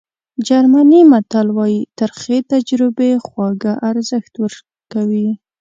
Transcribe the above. جرمني متل وایي ترخې تجربې خواږه ارزښت ورکوي.